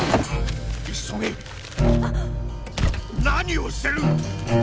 何をしてる！